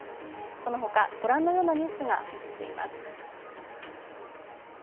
そのほかご覧のようなニュースが入ってきています。